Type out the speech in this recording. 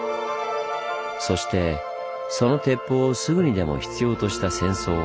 そしてその鉄砲をすぐにでも必要とした戦争。